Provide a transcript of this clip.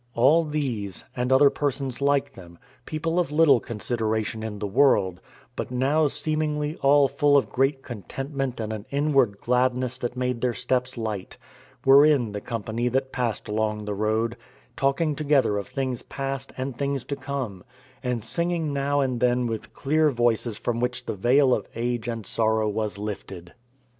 All these, and other persons like them, people of little consideration in the world, but now seemingly all full of great contentment and an inward gladness that made their steps light, were in the company that passed along the road, talking together of things past and things to come, and singing now and then with clear voices from which the veil of age and sorrow was lifted.